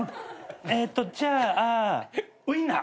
えっとじゃあウインナー。